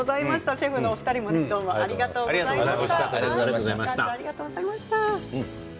シェフのお二人も、どうもありがとうございました。